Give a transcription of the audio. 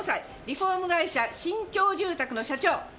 リフォーム会社新京住宅の社長。